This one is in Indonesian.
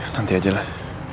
nanti aja lah